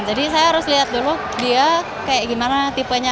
jadi saya harus lihat dulu dia kayak gimana tipenya